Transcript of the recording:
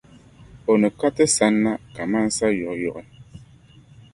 O ni ka ti sanna kaman sayuɣiyuɣi.